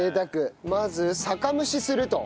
まず酒蒸しすると。